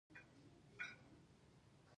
آیا پښتون یو تاریخ جوړونکی قوم نه دی؟